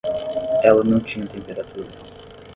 Ela não tinha temperatura.